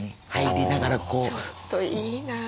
ちょっといいなあ。